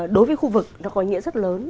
đối với khu vực nó có nghĩa rất lớn